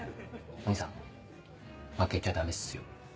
お義兄さん負けちゃダメっすよ。